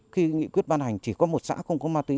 khi nghị quyết ban hành chỉ có một xã không có ma túy